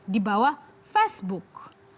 di bawah facebook